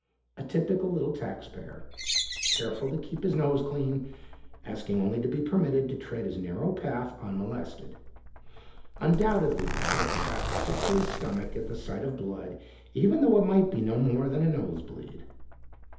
A typical little taxpayer, careful to keep his nose clean, asking only to be permitted to tread his narrow path unmolested. Undoubtedly the type who got sick to his stomach at the sight of blood even though it might be no more than a nose bleed.